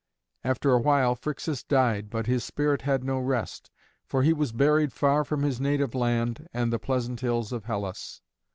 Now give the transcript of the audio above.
After a while Phrixus died, but his spirit had no rest, for he was buried far from his native land and the pleasant hills of Hellas.